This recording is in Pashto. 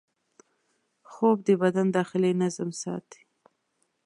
خوب د بدن داخلي نظم ساتي